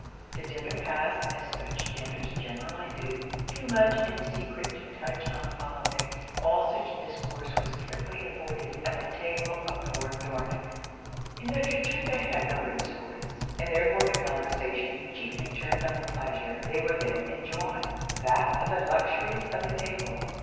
The dinner passed as such dinners generally do too much in the secret to touch on politics, all such discourse was carefully avoided at the table of Lord Dornock. In literature they had no resource; and therefore the conversation chiefly turned on the pleasure they were then enjoying that of the luxuries of the table.